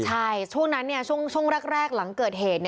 ใช่ช่วงนั้นช่วงแรกหลังเกิดเหตุ